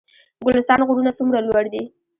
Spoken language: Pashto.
ګلستان غرونه څومره لوړ دي؟